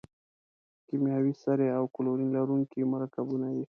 کیمیاوي سرې او کلورین لرونکي مرکبونه دي.